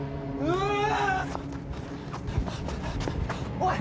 おい！